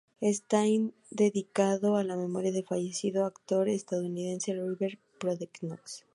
Está dedicado a la memoria del fallecido actor estadounidense River Phoenix.